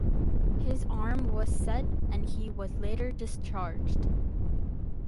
His arm was set and he was later discharged.